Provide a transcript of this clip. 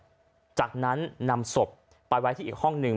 หลังจากนั้นนำศพไปไว้ที่อีกห้องหนึ่ง